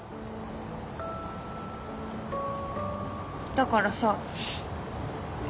だからさ。